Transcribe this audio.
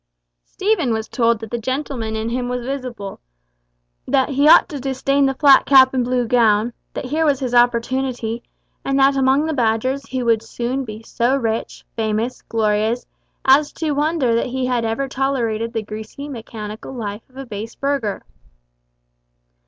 Stephen was told that the gentleman in him was visible, that he ought to disdain the flat cap and blue gown, that here was his opportunity, and that among the Badgers he would soon be so rich, famous, glorious, as to wonder that he had ever tolerated the greasy mechanical life of a base burgher.